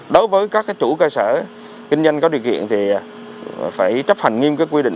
đối với các chủ cơ sở kinh doanh có điều kiện thì phải chấp hành nghiêm các quy định